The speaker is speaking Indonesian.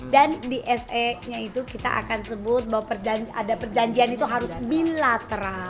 dan di se nya itu kita akan sebut bahwa ada perjanjian itu harus bilateral